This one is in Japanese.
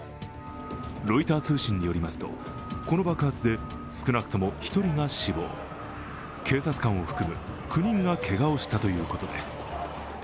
ロイター通信によりますと、この爆発で少なくとも１人が死亡、警察官を含む９人がけがをしたということです。